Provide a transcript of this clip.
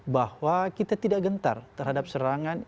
bahwa kita tidak gentar terhadap serangan